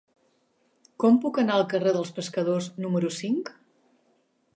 Com puc anar al carrer dels Pescadors número cinc?